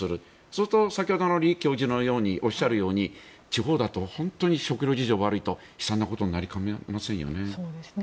そうすると先ほどの李教授がおっしゃるように地方だと本当に食糧事情が悪いと悲惨なことになりかねませんよね。